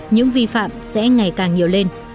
những vi phạm sẽ ngày càng nhiều lên